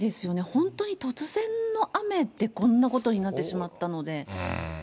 本当に突然の雨で、こんなことになってしまったので。